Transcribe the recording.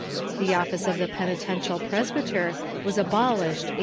The office of the peniten tial presbyter was abolished a.